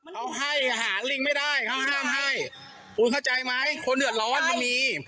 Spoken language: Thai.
เขาให้หาลิงไม่ได้เขาห้ามให้คุณเข้าใจไหมคนเดือดร้อนมันมี